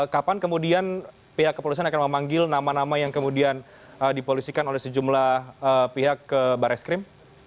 kapan kemudian pihak kepolisian akan memanggil nama nama yang kemudian dipolisikan oleh sejumlah pihak ke baris krim